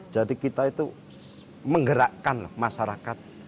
jadi kita itu menggerakkan masyarakat